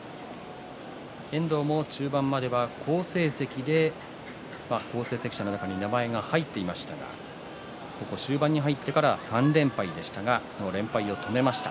遠藤も中盤までは好成績で好成績者に名前が入っていましたが終盤に入ってから３連敗その連敗を止めました。